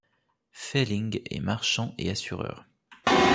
Fehling est marchand et assureur.